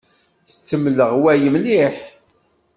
Tettemleɣway mliḥ.